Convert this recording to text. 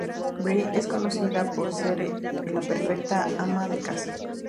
Bree es conocida por ser la perfecta ama de casa.